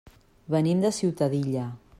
Venim de Ciutadilla.